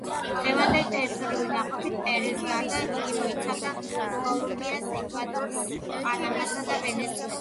დღევანდელი ტერიტორიული დაყოფით პერუს გარდა იგი მოიცავდა კოლუმბიას, ეკვადორს, პანამასა და ვენესუელას.